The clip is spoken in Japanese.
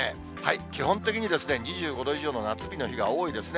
基本的に２５度以上の夏日の日が多いですね。